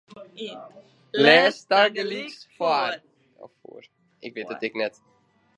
Lês de takelist foar.